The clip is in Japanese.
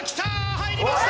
入りました！